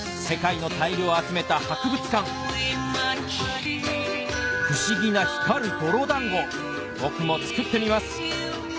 世界のタイルを集めた博物館不思議な僕も作ってみます